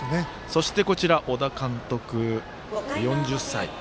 そして、こちら小田監督、４０歳。